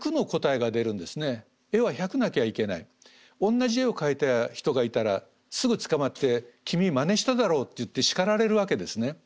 同じ絵を描いた人がいたらすぐ捕まって君まねしただろうって言って叱られるわけですね。